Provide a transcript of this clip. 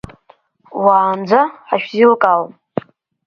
Уаанӡа ҳашәзеилкаауам!